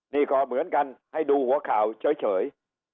นี่ก็เหมือนกันให้ดูหัวข่าวเฉย